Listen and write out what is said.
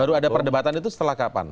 baru ada perdebatan itu setelah kapan